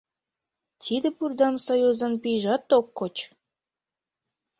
— Тиде бурдам сай озан пийжат ок коч.